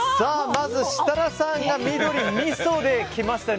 まず設楽さんが緑、みそできました。